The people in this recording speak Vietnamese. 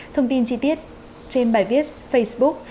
thông tin chi tiết trên bài viết facebook